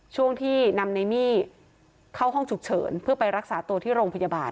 ช่วงที่นำในมี่เข้าห้องฉุกเฉินเพื่อไปรักษาตัวที่โรงพยาบาล